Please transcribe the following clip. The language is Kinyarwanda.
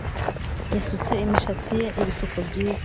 Yasutse imishatsi ye ibisuko byiza